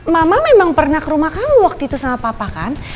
mama memang pernah ke rumah kamu waktu itu sama papa kan